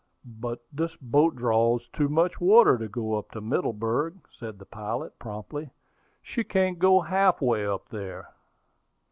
"But this boat draws too much water to go up to Middleburg," said the pilot, promptly. "She can't go half way up there."